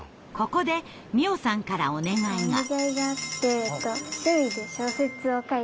ここで美音さんからお願いが。